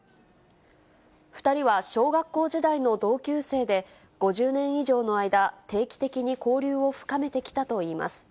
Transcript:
２人は小学校時代の同級生で、５０年以上の間、定期的に交流を深めてきたといいます。